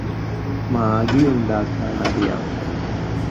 മാഗിയുണ്ടാക്കാൻ അറിയാം